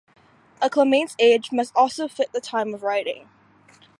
A claimant's age must also fit the time of writing.